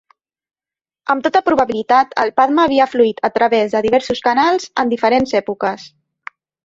Amb tota probabilitat, el Padma havia fluït a través de diversos canals en diferents èpoques.